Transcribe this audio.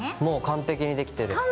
もう完璧にできてる。